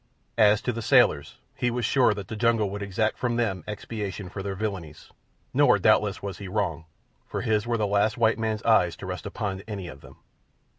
As to the sailors, he was sure that the jungle would exact from them expiation for their villainies, nor, doubtless, was he wrong, for his were the last white man's eyes to rest upon any of them.